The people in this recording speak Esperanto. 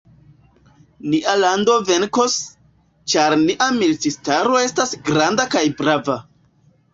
Nia lando venkos, ĉar nia militistaro estas granda kaj brava.